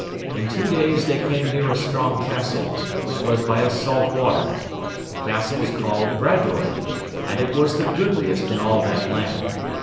In two days they came near a strong castle, which was by a salt water. The castle was called Bradoyd, and it was the goodliest in all that land.